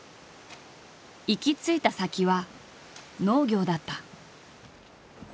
行き着いた先は農業だった。